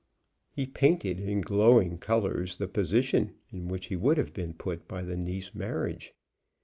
He painted in glowing colors the position in which he would have been put by the Nice marriage.